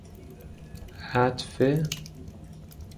عطفه